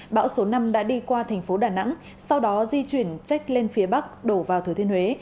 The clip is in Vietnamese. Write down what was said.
bão số năm đã đi qua thành phố đà nẵng sau đó di chuyển trách lên phía bắc đổ vào thừa thiên huế